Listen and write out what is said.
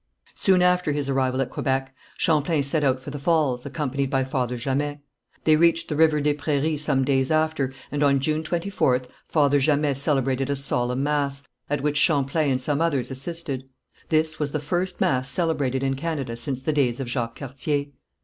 Soon after his arrival at Quebec, Champlain set out for the falls, accompanied by Father Jamet. They reached the river des Prairies some days after, and on June 24th, Father Jamet celebrated a solemn mass, at which Champlain and some others assisted. This was the first mass celebrated in Canada since the days of Jacques Cartier.